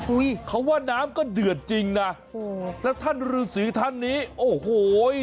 เขาว่าน้ำก็เดือดจริงนะโอ้โหแล้วท่านรือสีท่านนี้โอ้โห